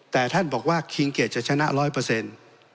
แต่ท่านบอกว่าคิงเกดจะชนะร้อยเปอร์เซ็นต์